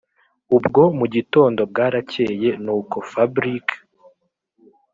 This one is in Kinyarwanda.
ubwo mugitondo bwarakeye nuko fabric